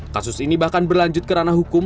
kasus ini bahkan berlanjut kerana hukum